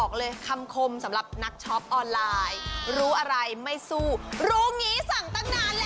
ขอแสดงความยินดีกับผู้ที่โชคดีได้รับมอเตอร์ไซค์ตั้งวันนี้ด้วยนะครับ